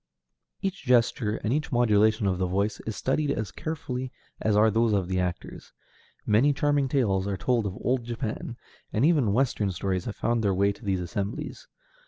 Each gesture, and each modulation of the voice, is studied as carefully as are those of the actors. Many charming tales are told of old Japan, and even Western stories have found their way to these assemblies.